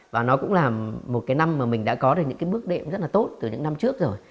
và nó cũng là một cái năm mà mình đã có được những cái bước đệm rất là tốt từ những năm trước rồi